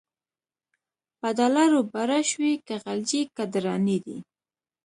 په ډالرو باړه شوی، که غلجی که درانی دی